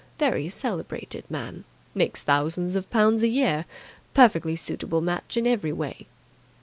Very celebrated man! Makes thousands of pounds a year. Perfectly suitable match in every way."